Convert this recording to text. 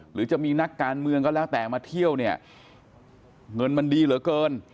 หรือจะมีนักการเมืองก็แล้วแต่มาเที่ยวเนี่ยเงินมันดีเหลือเกิน